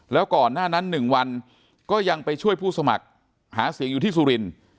แล้วก่อนหน้านั้น๑วันก็ยังไปช่วยผู้สมัครหาเสียงอยู่ที่สุรินทร์